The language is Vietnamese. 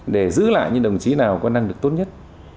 để giữ lại những đồng chí nào có năng lực tốt nhất